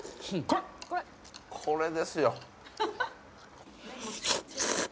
これですよ。